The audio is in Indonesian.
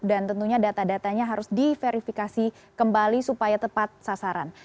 dan tentunya data datanya harus diverifikasi kembali supaya tepat sasaran